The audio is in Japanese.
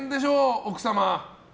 奥様。